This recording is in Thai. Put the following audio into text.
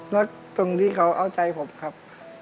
แล้วตรงที่เขาเอาใจผมครับ